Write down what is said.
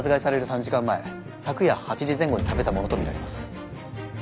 ３時間前昨夜８時前後に食べたものとみられます。